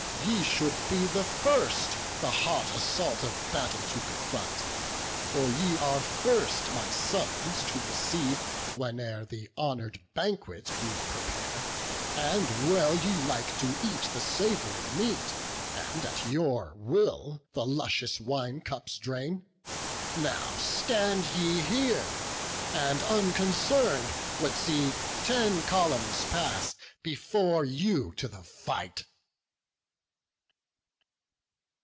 ye should be the first The hot assault of battle to confront; For ye are first my summons to receive, Whene'er the honour'd banquet we prepare: And well ye like to eat the sav'ry meat, And, at your will, the luscious wine cups drain: Now stand ye here, and unconcern'd would see Ten columns pass before you to the fight."